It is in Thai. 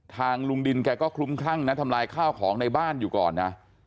ทางลุงดินแกก็คลุมคลั่งนะทำลายข้าวของในบ้านอยู่ก่อนนะ